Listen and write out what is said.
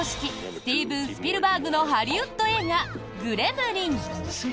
スティーブン・スピルバーグのハリウッド映画「グレムリン」。